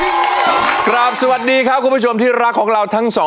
นักสู้ชิงร้าน